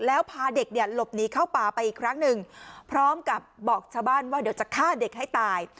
แล้วพาเด็กเนี่ยหลบหนีเข้าป่าไปอีกครั้งหนึ่งพร้อมกับบอกชาวบ้านว่าเดี๋ยวจะฆ่าเด็กให้ตาย